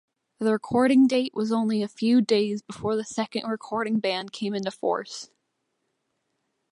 The recording date was only a few days before the second recording ban came into force.